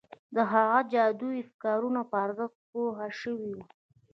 هغه د جادویي افکارو په ارزښت پوه شوی و